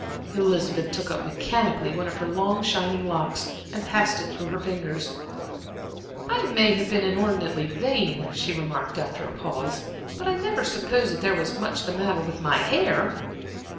Elizabeth took up mechanically one of her long shining locks and passed it through her fingers. "I may have been inordinately vain," she remarked after a pause, "but I never supposed before that there was much the matter with my hair."